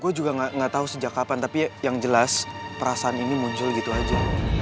gue juga gak tahu sejak kapan tapi yang jelas perasaan ini muncul gitu aja